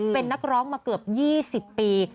เป็นนักร้องมาเกือบ๒๐ปี